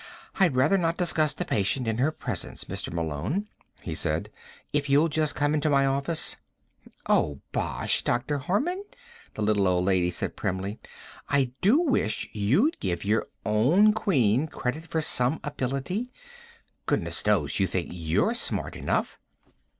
"I'd rather not discuss the patient in her presence, Mr. Malone," he said. "If you'll just come into my office " "Oh, bosh, Dr. Harman," the little old lady said primly. "I do wish you'd give your own Queen credit for some ability. Goodness knows you think you're smart enough."